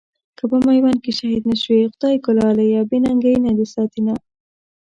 که په ميوند کې شهيد نه شوې، خدایږو لاليه بې ننګۍ ته دې ساتينه